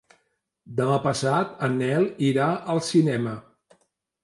Demà passat en Nel irà al cinema.